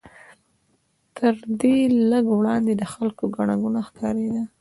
تر دې لږ وړاندې د خلکو ګڼه ګوڼه ښکارېده.